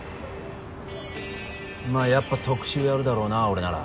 まあやっぱ特集やるだろうな俺なら。